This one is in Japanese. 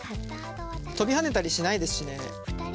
跳びはねたりしないですしね。